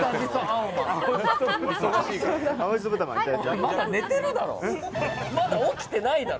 まだ寝てるだろ？